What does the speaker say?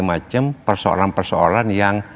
macam persoalan persoalan yang